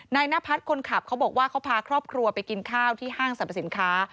นพัฒน์คนขับเขาบอกว่าเขาพาครอบครัวไปกินข้าวที่ห้างสรรพสินค้า